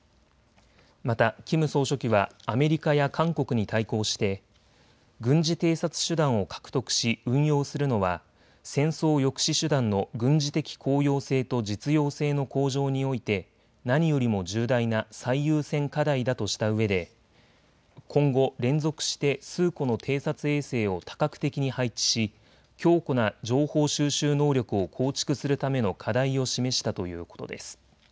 またキム総書記はアメリカや韓国に対抗して軍事偵察手段を獲得し運用するのは戦争抑止手段の軍事的効用性と実用性の向上において何よりも重大な最優先課題だとしたうえで今後、連続して数個の偵察衛星を多角的に配置し強固な情報収集能力を構築するための課題を示したということです。